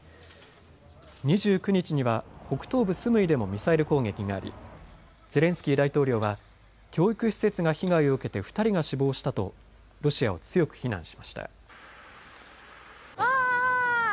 ２９日には北東部スムイでもミサイル攻撃がありゼレンスキー大統領は教育施設が被害を受けて２人が死亡したとロシアを強く非難しました。